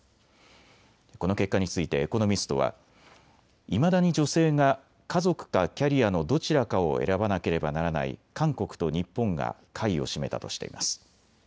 この結果についてエコノミストはいまだに女性が家族かキャリアのどちらかを選ばなければならない韓国と日本が下位を占めたとしています。